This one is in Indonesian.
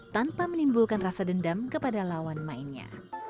tanpa menimbulkan rasa dendam kepada lawan mainnya